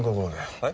はい？